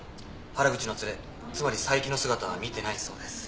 原口の連れつまり佐伯の姿は見てないそうです。